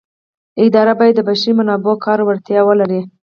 اداره باید د بشري منابعو کاري وړتیاوې ولري.